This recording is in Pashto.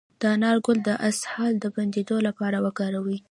د انار ګل د اسهال د بندیدو لپاره وکاروئ